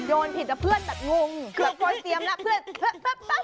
โยนผิดจากเพื่อนแบบงุงเดี๋ยวโน้ตเตี้มแล้วเพื่อนคุ๊ด